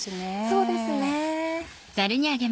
そうですね。